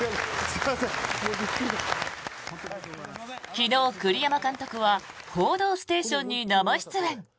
昨日、栗山監督は「報道ステーション」に生出演。